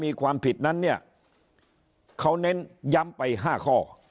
มีความผิดนั้นเนี่ยเขาเน้นย้ำไป๕ข้อ